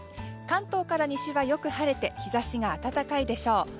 関東から西はよく晴れて日差しが暖かいでしょう。